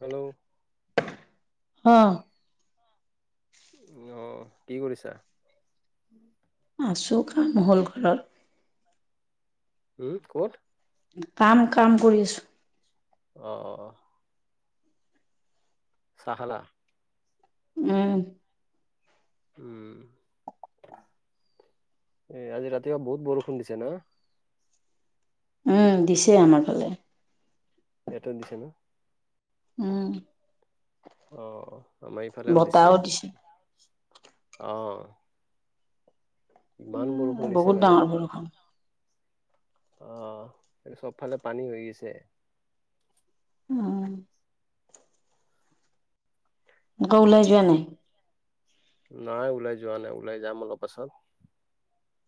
Hello হ উ অঁ কি কৰিছা আচু কাম হল ঘৰ উম কত কাম কাম কৰিছো আহ অ অ চাহ খালা উম উম এ আজি ৰাতিপুৱা বহুত বৰষুণ দিছে না উম দিশ এটা দিছে ন উম আহ আমাৰ ইফালেও দিছে আহ ইমান উম বৰষুণ দিছে বহুত মানে ডাঙৰ বৰষুণ আহ এই চবফালে পানী হৈ গৈছে উম মকৌ ওলাই যোৱাা নাই নাই ওলাই যোৱা নাই ওলাই যাম অলপ পাছত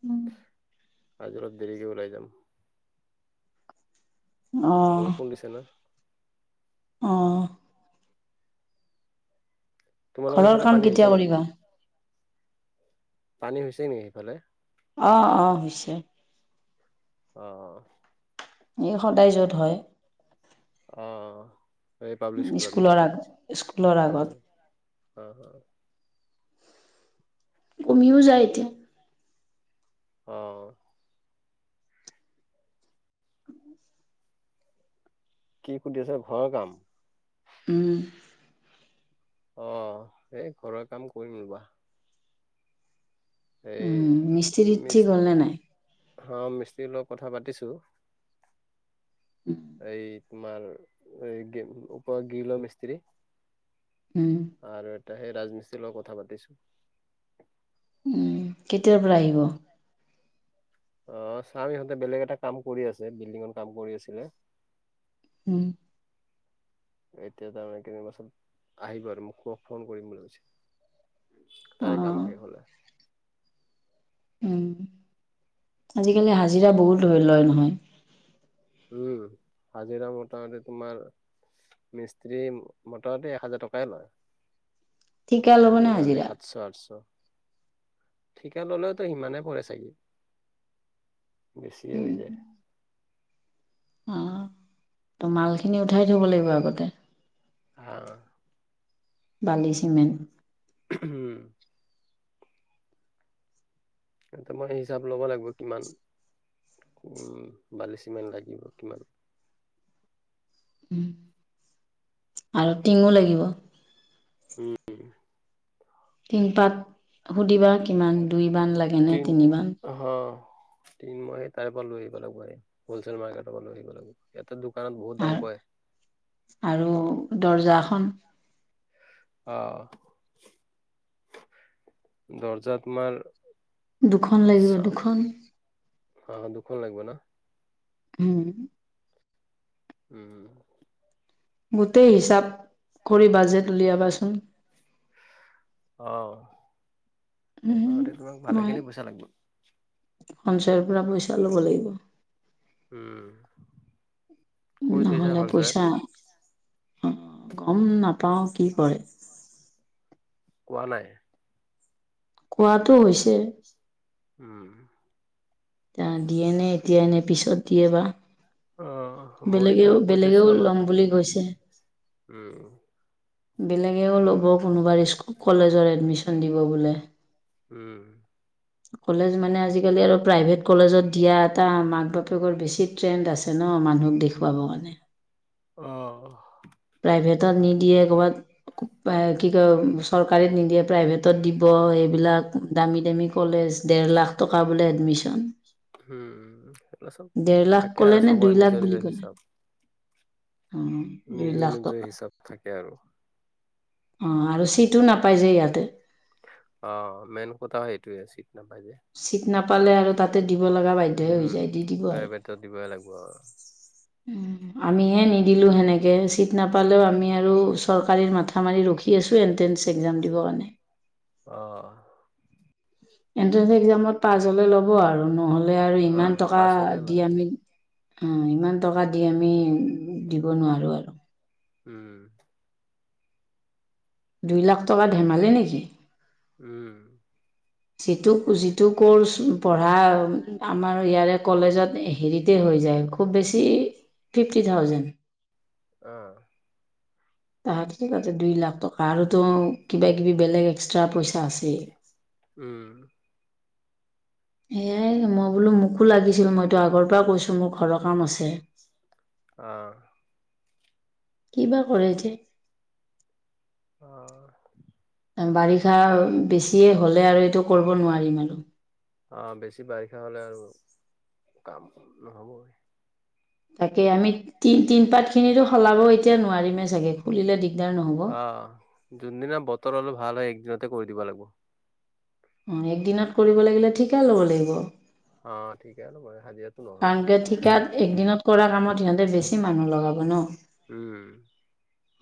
উম আজি অলপ দেৰিক ওলাই যাম বৰষুণ দিছেনা আহ তোমালোকৰ ঘৰৰ সিফালে কাম পানী হৈছে কেতিয়া নেকি কৰিবা পানী হৈছে নেকি সেইফালে আহ অ হৈছে আহ এই সদায় য'ত হয় অ এই পাব্লিক স্কুলত ন স্কুলৰ আগ স্কুলৰ আগত উ হ উমিওজাইতি অ কি সুধি আছে ঘৰ ৰকাম উম অ এই ঘৰুৱাৰ কাম কৰিম ৰবা এই উম মিস্ত্ৰী ঠিক হ'ল ন নাই হ মিস্ত্ৰী লগত কথা পাতিছো উম এই তোমাৰ এই উপ গিল মিস্ত্ৰী হম এয়া সেই ৰাজমিস্ত্ৰীৰ লগত কথা পাতিছো উম কেতিয়াৰ পৰা আহিব আহ ছাৰ ইহঁতে বেলেগ এটা কাম কৰি আছে বিল্ডিঙৰ কাম কৰি আছিলে উম এতিয়া তাৰমানে কো চত আহিব আৰু মোক ক ফোন কৰিম বুলি কৈছে অ তাৰে কাম শেখ হলে উম আজিকালি হাজিৰা বহুত ধ লয় নহয় উম হাজিৰা মোটামুটি তোমাৰ মিস্ত্ৰী মোটামুটি এক হাজাৰ টকাই ঠিকা লয় আৰু ল'বনে যোগালি হাজিৰা সাতশ আঠশ ঠিকা ললেওতো সিমানে পৰে চাগি বেছি হৈ যায় অ ত মালখিনি উঠাই থব লাগিব আগতে হা বালি চিমেণ্ট উম এ মই হিচাপ ল'ব লাগিব কিমান উম বালিচিমেট লাগিব কিমান উম আৰু টিঙো লাগিব উম তিনপাত সুধিবা কিমান দুই বান লাগেনে তিনিবান তি মই সেই তাৰে পৰা লৈ আহিব লাগিব স হলচল মাৰ্কেটৰ পৰা লৈ আহিব লাগিব দোকানত বহুত দাম কয় আৰু আৰু দৰ্জাখন আহ দৰ্জা তোমাৰ দুখন লাগিব চাওক দুখন আহ দুখন লাগিব না হম উম গোটেই হিচাপ কৰি বাজেট উলিয়াবাচোন অ মোটামোটি তোমাক ভালেখিনি পইচা লাগিব সঞ্চায়ৰ পৰা পইচা লব লাগিব উম কৈ থৈছা নহ'লে সঞ্চয়ত পইচা গম নাপাও কি কৰে কোৱানাই কোৱাটো হৈছে উম এতিয়া দিয়ে নে এতিয়া এনে পিছত দিয়ে বা অ মই বেলেগেও ইফালে কৈ থৈছো বেলেগেও অলপ লম বুলি কৈছে উম বেলেগেও ল'ব কোনোবা স্ক কলেজৰ এডমিশন দিব বোলে উম কলেজ মানে আজিকালি আৰু প্ৰাইভেট কলেজত দিয়া এটা মাক বাপেকৰ বেছি ট্ৰেণ্ড আছে ন অ মানুহক দেখুৱাব কাৰণে আহ প্ৰাইভেটত নিদিয়ে কৰ'ৰবাত কি কয় চৰকাৰীত নিদিয়ে প্ৰাইভেটত দিব এইবিলাক দামী দামী কলেজ ডেৰ লাখ টকা বোলে এডমিশ্যন উম সেইিলা চব ডেৰ লাখ থাকে ক'লে আৰু চবৰে নিজৰ নিজৰ হিচাপ অ নিজৰ নিজৰ হিচাপ থাকে আৰু অ আৰু চি অ মেইন কথা সেইটোয়ে চিট নাপায় যে চিট নাপালে আৰু তাতে দিব লগা বাধ্যয়হে হৈ উম, যায় দি দিব আৰু প্ৰাইভেটত দিবই লাগিব আৰু। উম আমিহে নিদিলোঁ সেনেকৈ চিট নাপালেও আমি আৰু চৰকাৰী মাথা মাৰি ৰখি আছোঁ হেনতেন এক্সাম দিব কাৰণে অ এন্ট্ৰেন্ঞ্চ এক্সাম পাছ হলে ল'ব আৰু নহ'লে আৰু ইমান অ' টকা পাছ হ'লে দি লয় আমি অ ইমান টকা দি আমি দিব নোৱাৰো আৰু উম দুই লাখ টকা ধেমালি নেকি উম যিটো যিটো কৰ্চ পঢ়া আমাৰ ইয়াৰে কলেজত হেৰিতে য খুব বেছি ফিফটি থাউজেণ্ড আহ তাহাঁতি তাতে দুই লাখ টকা আৰুতো কিবা কিবি বেলেগ এক্সট্ৰা পইচা আছেই উম এয়াই মই বোলো মোকো লাগিছিল মইতো আগৰ পৰা কৈছো মোৰ ঘৰৰ কাম আছে আহ কি বা কৰিছে অ' বাৰিষা বেছিয়ে হ'লে আৰু এইটো কৰিব নোৱাৰিম আৰু আহ বেছি বাৰিষা হলে আৰু কাম নহব তাকে আমি তি তিন পাত খিনি সলাব এতিয়া নোৱাৰিমে চাগে খুলিলে দি আহ যোনদিনা বতৰ অলপ ভাল হয় একদিনতে কৰি দিব লাগিব অ একদিনত কৰিব লাগিলে ঠিকে ল'ব লাগিব ঠিকে আৰু [unintelligible] কাৰণ কিয় ঠিকাত একদিনত কৰা কামত সিহঁতে বেছি মানুহ লগাব ন উম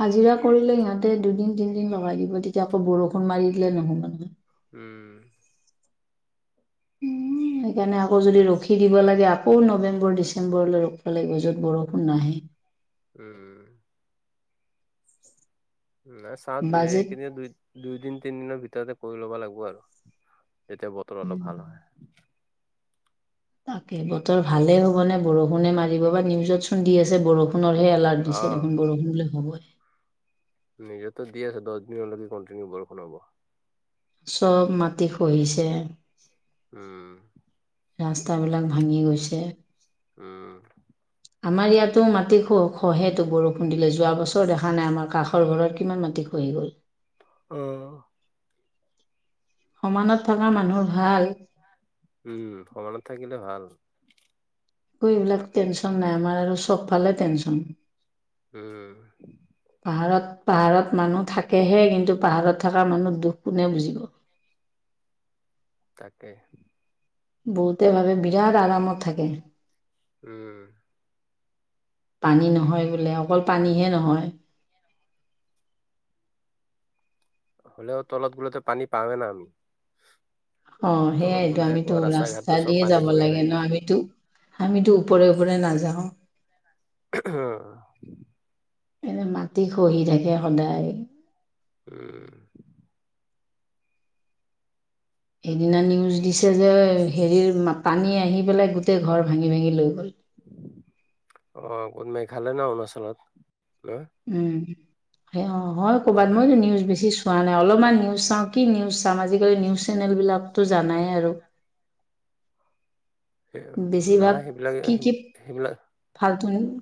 হাজিৰা কৰিলে ইিহঁতে দুদিন তিনদিন লগাই দিব তেতিয়া আকৌ বৰষুণ মাৰি দিলে নহ'ব মানহে উম [unintelligible] সেইকাৰণে আকৌ যদি ৰখি দিব লাগে আকৌ নৱেম্বৰ ডিচেম্বৰলৈ ৰখিব লাগিব যত বৰষুণ নাহে উম উম চা বাজেট এইক দুই দুইদিন তিনিদিনৰ ভিতৰতে কৰি ল'বা লাগিব আৰু এতিয়া বতৰ অলপ ভাল হয় তাকে বতৰ ভালেই হ'ব নে বৰষুণে মাৰিব বা নিউজত চুধি আছে বৰষুণ সোনৰহে এলাৰ্ট অ দিছে দেখোন বৰষুণলে হব নিজেতো দিয় আছে দহ দিনলৈকে কন্টিনিউ বৰষুণ হব চব মাটি খহিছে উম ৰাস্তা বিলাক ভাঙি গৈছে উম আমাৰ ইয়াতো মাটি খো খহেতো বৰষুণ দিলে যোৱা বছৰ দেখা নাই আমাৰ কাষৰ ঘৰত কিমান মাটি খ হৈ গ'ল আহ সমানত থকা মানুহ ভাল উম সমানত থাকিলে ভাল একো এইবিলাক টেনশন নাই আমাৰ আৰু চবফালে টেনচন উম পাহাৰত পাহাৰত মানুহ থাকেহে কিন্তু পাহাৰত থকা মানুহ দুখ কোনে বুজিব তাকে বহুতে ভাবে বিৰাট আৰামত থাকে উম পানী নহয় বোলে অকল পানীহে নহয় হলেও তলত গুলোতে পানী পামে ন আমি অ তলত সেইয়াইতো গ'লে আকৌ আমিতো ৰাস্তা ঘাটটো চব দিয়ে পানী যাব হৈয়ে লাগে থাকে। ন আমিতো আমিতো ওপৰে ওপৰে নাযাওঁ আহ এ মাটি খহি থাকে সদায় উ সেইদিনা নিউজ দিছে যে হেৰিৰ পানী আহি পেলাই গোটেই ঘৰ ভাঙি ভাঙি লৈ গ'ল অ কত মেঘালয় ন অৰুণাচলত ন উম অ' হয় ক'ৰবাত। অ'। মইতো নিউজ বেছি চো চোৱা নাই। অলপমান নিউজ চাওঁ। কি নিউজ চাম? আজিকালি নিউজ চেনেল বিলাকতো জানাই আৰু। [unintelligible] বেছিভাগ নাই সেইবিলাকে, সেইবিলাক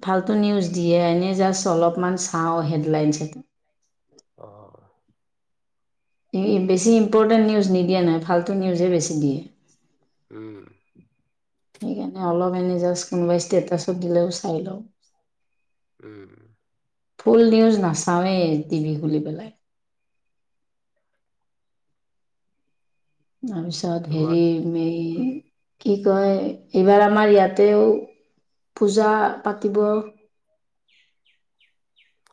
ফালটু নিউজ দিয়ে। এনেই জাষ্ট অলপমান চাওঁ হেডলাইনছ এটা। অ'। বেছি ইম্পৰ্টেণ্ট নিউজ নিদিয়ে নাই। ফালটো নিউজে বেছি দিয়ে। উম। সেইকাৰণে অলপ এনে জাষ্ট কোনোবাই ষ্টেটাছত দিলেও চাই লওঁ। উম। ফুল নিউজ নাচাওঁৱেই টিভি খুলি পেলাই। তাৰপিছত হেৰি, তোমাৰ ম কি কয়, এইবাৰ আমাৰ ইয়াতেও পূজা পাতিব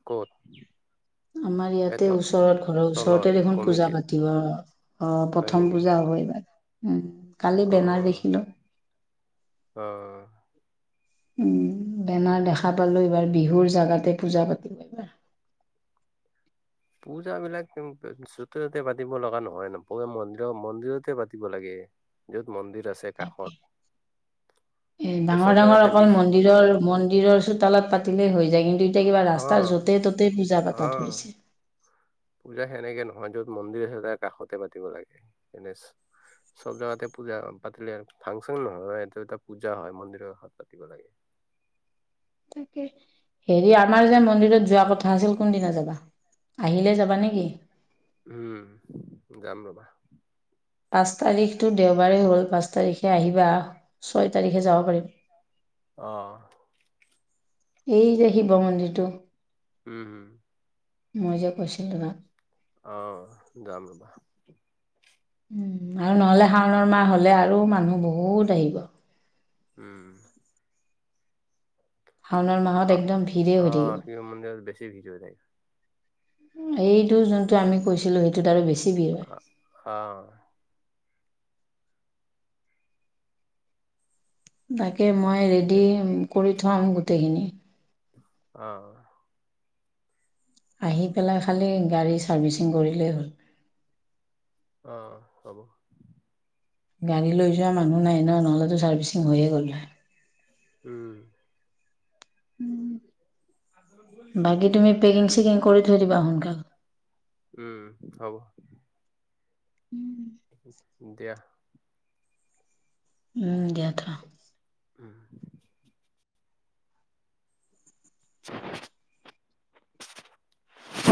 ক'ত? আমাৰ এই ইয়াতে। ওচৰত ঘৰৰ তলত ওচৰতে দেখোন পূজা কমিটিত পাতিব। অ' হয় প্ৰথম নেকি? পূজা হব এইবাৰ। উম, কালি বেনাৰ অ', দেখিলো। অ'। উম বেনাৰ দেখা পালো। এইবাৰ বিহুৰ জাগাতে পূজা পাতিব এইবাৰ। [unintelligible] পূজাবিলাক ওম য'তে ত'তে পাতিব লগা নহয় ন? পূজা মন্দিৰ মন্দিৰতে পাতিব লাগে। য'ত মন্দিৰ আছে তাকে কাষত। এ যে ডাঙৰ চব ডাঙৰ জেগাতে অকল বিষ মন্দিৰৰ মন্দিৰৰ চোতালত পাতিলেই হৈ যায়। কিন্তু এতিয়া কিবা হা ৰাস্তা য'তে ত'তে পূজা অ পাতা ধৰিছে। পূজা সেনেকে নহয়। য'ত মন্দিৰ আছে তাৰ কাষতে পাতিব লাগে এনে চব জাগাতে পূজা পাতিলে, ফাংচন নহয়। এটো এটা পূজা হয় মন্দিৰৰ কাষত পাতিব লাগে। [unintelligible] তাকে, হেৰি আমাৰ যে মন্দিৰত যোৱা কথা আছিল, কোনদিনা যাবা? আহিলে যাবা নে কি? উম, যাম ৰবা। পাঁচ তাৰিখটো দেওবাৰেেই হল। পাঁচ তাৰিখে আহিবা ছয় তাৰিখে যাব পাৰিম। অহ। এই যে শিৱ মন্দিৰটো উম হম। মই যে কৈছিলো আহ। যাম ৰ'বা। উম আৰু নহলে শাওণৰ মাহ হলে আৰু মানুহ বহুত আহিব। উম। শাওণৰ মাহত একদম ভিৰেই অ' অ হৈ থাকিব শিৱ মন্দিৰত বেছি ভিৰ হৈ থাকে। এইটো যোনটো আমি কৈছিলো, সেইটোত আৰু বেছি ভিৰ হয় আহ আহ। তাকে, মই ৰেডি দে কৰি থম গোটেইখিনি। অহ। আহি পেলাই খালি গাড়ী চাৰ্ভিচিং কৰিলেই হ'ল। অহ হব। গাড়ী লৈ যোৱা মানুহ নাই ন। নহ'লেতো ছাৰ্ভিচিং হৈয়ে গ'ল হয়। উম। উম। বাকী তুমি পেকিং চেকিং কৰি থৈ দিবা সোনকাল উম হ'ব। উম। দিয়া। উম দিয়া থওঁ। উম [unintelligible]